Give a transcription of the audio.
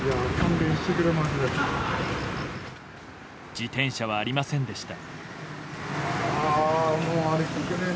自転車はありませんでした。